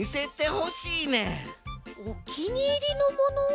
おきにいりのもの？